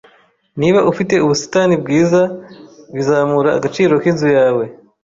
Niba ufite ubusitani bwiza, bizamura agaciro k'inzu yawe.